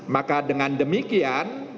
maka dengan demikian